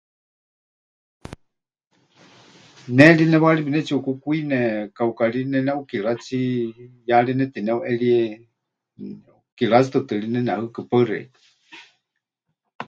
Ne ri newari pɨnetsiʼukukwine, kauka ri neneʼukiratsi, ya ri netineuʼerie, ʼukiratsi tɨtɨ ri nenehɨkɨ. Paɨ xeikɨ́a.